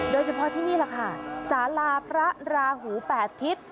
โดยเฉพาะที่นี่แหละค่ะสาราพระราหู๘ทิศ